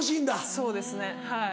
そうですねはい。